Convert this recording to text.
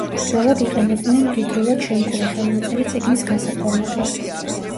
ძველად იყენებდნენ მდიდრულად შემკული ხელნაწერი წიგნის გასაფორმებლად.